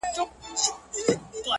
چي ديـدنونه پــــه واوښـتل،